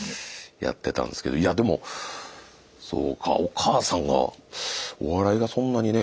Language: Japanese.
やってたんですけどいやでもそうかお母さんがお笑いがそんなにね。